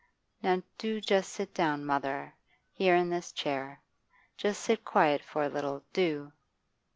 'Now do just sit down, mother; here, in this chair. Just sit quiet for a little, do.